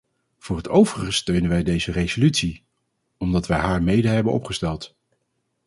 Voor het overige steunen wij deze resolutie, omdat wij haar mede hebben opgesteld.